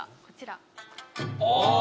こちら。